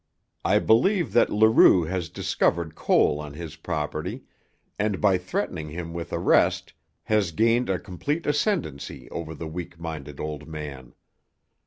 "I believe that Leroux has discovered coal on his property, and by threatening him with arrest has gained a complete ascendency over the weak minded old man.